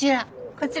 こちら。